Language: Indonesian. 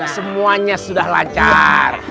semuanya sudah lancar